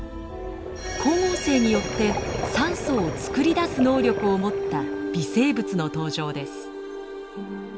光合成によって酸素を作り出す能力を持った微生物の登場です。